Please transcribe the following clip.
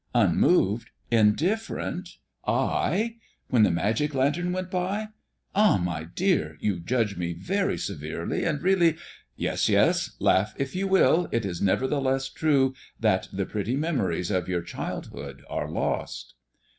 "Unmoved? Indifferent? I? When the magic lantern went by! Ah, my dear! you judge me very severely, and really " "Yes, yes; laugh if you will. It is nevertheless true that the pretty memories of your childhood are lost."